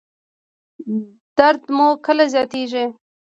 درد مو کله زیاتیږي؟